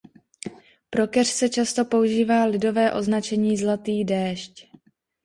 Pro keř se často používá lidové označení "zlatý déšť".